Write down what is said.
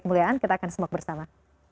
kemuliaan kita akan semak bersama